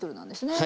はい。